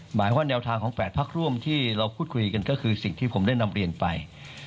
หมายว่าแนวทางของ๘พักร่วมที่เราพูดคุยกันก็คือสิ่งที่ผมได้นำเรียนไป